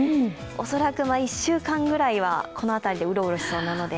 恐らく１週間ぐらいは、この辺りでうろうろしそうなので、